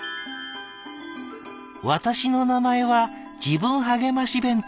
「私の名前は『自分はげまし弁当』。